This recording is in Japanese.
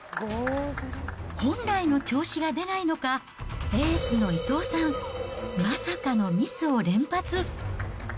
本来の調子が出ないのか、エースの伊藤さん、まさかのミスを連発。